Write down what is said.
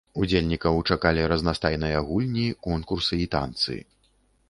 Удзельнікаў чакалі разнастайныя гульні, конкурсы і танцы.